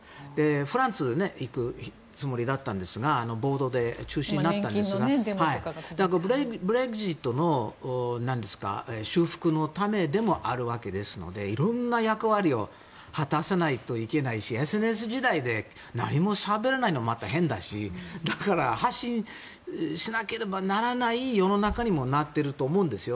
フランスに行くつもりだったんですが暴動で中止になったんですがブレグジットの修復の種でもあるわけですので色んな役割を果たさないといけないしＳＮＳ時代で何もしゃべらないのもまた変だしだから発信しなければならない世の中にもうなっていると思うんですよ。